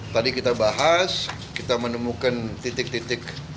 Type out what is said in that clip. tadi kita bahas kita menemukan titik titik